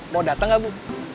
mau datang gak bu